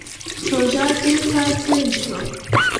پروژه تېر کال پیل شوه.